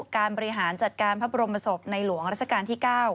การบริหารจัดการพระบรมศพในหลวงราชการที่๙